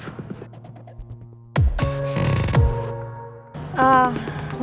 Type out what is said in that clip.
jadi kok gue bakal ngelakuin